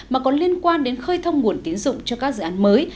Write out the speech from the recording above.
mà còn liên quan đến khơi thông nguồn tiến dụng cho các dự án mới